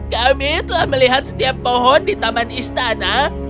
kami telah melihat setiap pohon di taman istana